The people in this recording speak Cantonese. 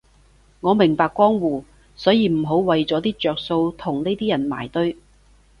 我明白江湖，所以唔好為咗着數同呢啲人埋堆